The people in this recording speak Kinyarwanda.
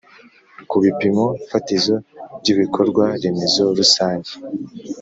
ku bipimo fatizo by ibikorwa remezo rusange.